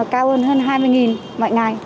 cao hơn hơn hai mươi mọi ngày